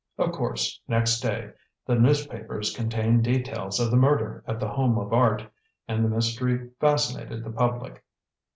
Of course, next day the newspapers contained details of the murder at The Home of Art, and the mystery fascinated the public.